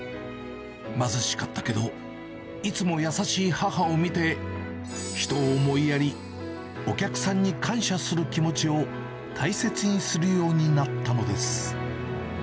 貧しかったけど、いつも優しい母を見て、人を思いやり、お客さんに感謝する気持ちを大切にするようになったのです。